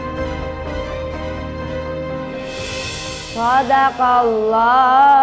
memang ini keadaan yang keseluruhannya